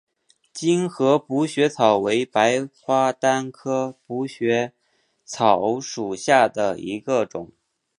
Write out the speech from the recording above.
精河补血草为白花丹科补血草属下的一个种。